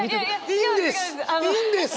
いいんです！